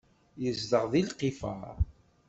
Yezdeɣ deg lqifar.